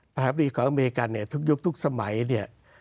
หาบดีของอเมริกันเนี่ยทุกยุคทุกสมัยเนี่ย